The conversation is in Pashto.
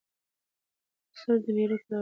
خسر دمېړه پلار